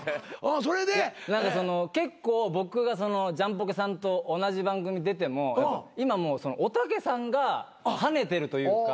結構僕がジャンポケさんと同じ番組出ても今おたけさんがはねてるというか。